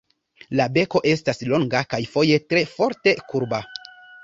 La beko estas longa kaj foje tre forte kurba.